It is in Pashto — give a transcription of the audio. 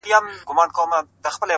• ځه پرېږده وخته نور به مي راويښ کړم ؛